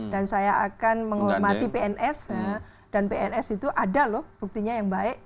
dan saya akan menghormati pns dan pns itu ada loh buktinya yang baik